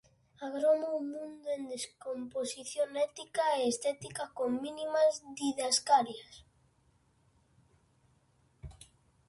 Agroma un mundo en descomposición ética e estética con mínimas didascalias.